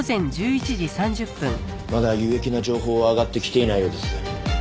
まだ有益な情報は上がってきていないようです。